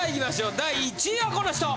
第１位はこの人！